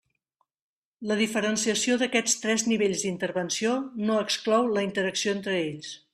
La diferenciació d'aquests tres nivells d'intervenció no exclou la interacció entre ells.